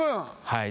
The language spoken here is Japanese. はい。